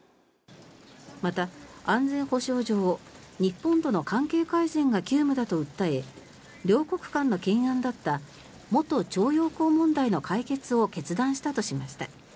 また、安全保障上日本との関係改善が急務だと訴え両国間の懸案だった元徴用工問題の解決を決断したとしました。